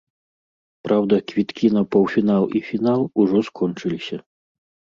Праўда, квіткі на паўфінал і фінал ужо скончыліся.